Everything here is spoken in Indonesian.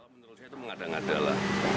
menurut saya itu mengada ngadalah